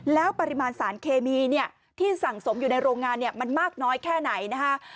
แล้วปริมาณสารเคมีที่สั่งสมอยู่ในโรงงานเนี่ยมันมากน้อยแค่ไหนนะคะ